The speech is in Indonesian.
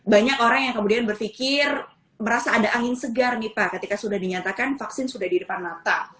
banyak orang yang kemudian berpikir merasa ada angin segar nih pak ketika sudah dinyatakan vaksin sudah di depan mata